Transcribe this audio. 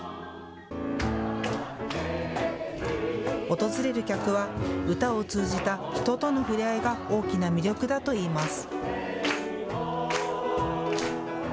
訪れる客は歌を通じた人との触れ合いが大きな魅力だといいます。